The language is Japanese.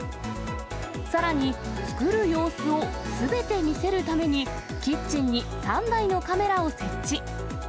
さらに、作る様子をすべて見せるために、キッチンに３台のカメラを設置。